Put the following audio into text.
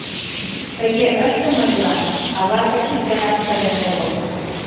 Тыге ыштымыжлан аваже ик ганат сырен огыл.